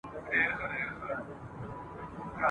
څاڅکي څاڅکي مي د اوښکو !.